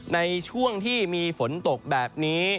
ในช่วงที่มีฝนตกแบบนี้